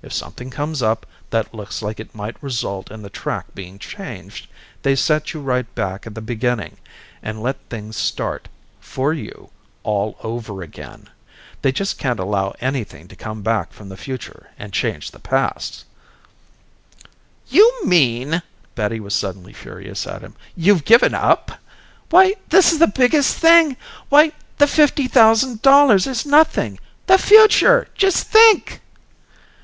If something comes up that looks like it might result in the track being changed, they set you right back at the beginning and let things start for you all over again. They just can't allow anything to come back from the future and change the past." "You mean," Betty was suddenly furious at him, "you've given up! Why this is the biggest thing Why the fifty thousand dollars is nothing. The future! Just think!"